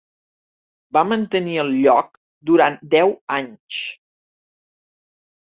Va mantenir el lloc durant deu anys.